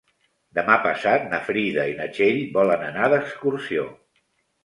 Demà passat na Frida i na Txell volen anar d'excursió.